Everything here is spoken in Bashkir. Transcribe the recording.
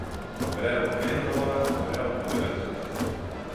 Берәү һыйыр һауа, берәү мөгөҙөн тота.